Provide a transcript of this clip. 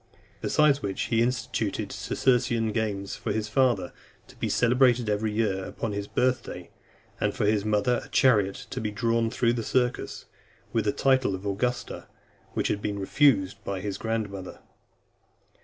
Besides which, he instituted Circensian games for his father, to be celebrated every year, upon his birth day, and, for his mother, a chariot to be drawn through the circus; with the title of Augusta, which had been refused by his grandmother .